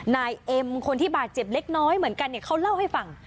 นายเอ็มคนที่บาดเจ็บเล็กน้อยเหมือนกันเนี่ยเขาเล่าให้ฟัง